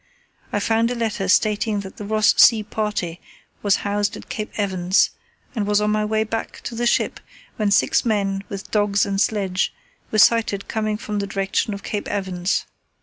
I found a letter stating that the Ross Sea party was housed at Cape Evans, and was on my way back to the ship when six men, with dogs and sledge, were sighted coming from the direction of Cape Evans.